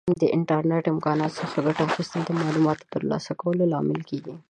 د انټرنیټ د امکاناتو څخه ګټه اخیستل د معلوماتو د ترلاسه کولو لامل کیږي.